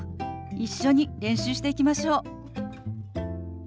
一緒に練習していきましょう。